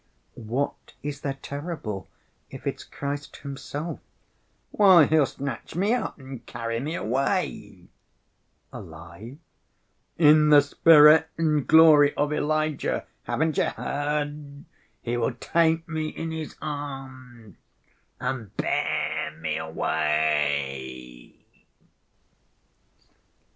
"What is there terrible if it's Christ Himself?" "Why, He'll snatch me up and carry me away." "Alive?" "In the spirit and glory of Elijah, haven't you heard? He will take me in His arms and bear me away."